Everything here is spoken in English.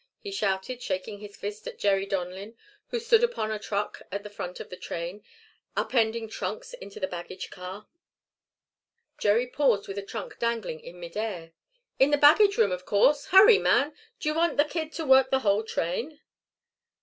he shouted, shaking his fist at Jerry Donlin who stood upon a truck at the front of the train, up ending trunks into the baggage car. Jerry paused with a trunk dangling in mid air. "In the baggage room, of course. Hurry, man. Do you want the kid to work the whole train?"